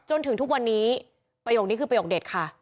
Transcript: จนถึงทุกวันนี้ประโยคนี้คือประโยคเด็ดค่ะ